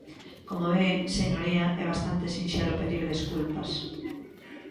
Como ve, señoría, é bastante sinxelo pedir desculpas.